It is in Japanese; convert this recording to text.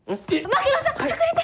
槙野さん隠れて！